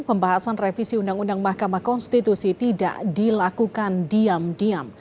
pembahasan revisi undang undang mahkamah konstitusi tidak dilakukan diam diam